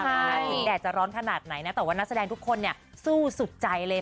ถึงแดดจะร้อนขนาดไหนนะแต่ว่านักแสดงทุกคนเนี่ยสู้สุดใจเลย